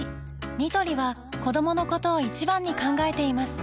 ニトリは子どものことを一番に考えています